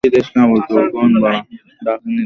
এরপর আগে থেকেই ঠিক করে রাখা একটি জায়গায় তাঁরা দেখা করেন।